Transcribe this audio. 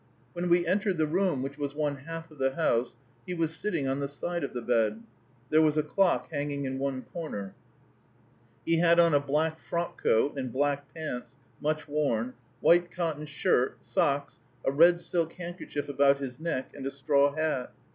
When we entered the room, which was one half of the house, he was sitting on the side of the bed. There was a clock hanging in one corner. He had on a black frock coat, and black pants, much worn, white cotton shirt, socks, a red silk handkerchief about his neck, and a straw hat.